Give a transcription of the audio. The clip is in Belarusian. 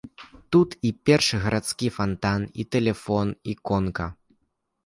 Тут і першы гарадскі фантан, і тэлефон, і конка.